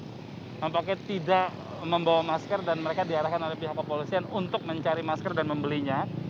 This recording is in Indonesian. tampaknya tidak membawa masker dan mereka diarahkan oleh pihak kepolisian untuk mencari masker dan membelinya